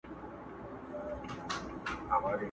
موږكانو ته ډبري كله سوال دئ،